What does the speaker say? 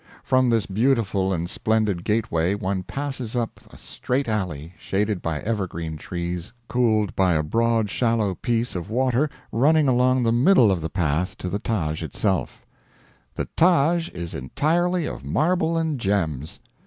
From this beautiful and splendid gateway one passes up a straight alley shaded by evergreen trees cooled by a broad shallow piece of water running along the middle of the path to the Taj itself. The Taj is entirely of marble and gems.